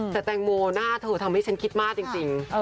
แต่แตงโมหน้าเธอทำให้ฉันคิดมากจริง